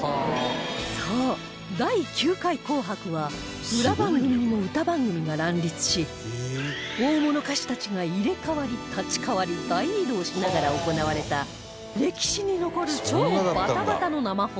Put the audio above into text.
そう第９回『紅白』は裏番組にも歌番組が乱立し大物歌手たちが入れ代わり立ち代わり大移動しながら行われた歴史に残る超バタバタの生放送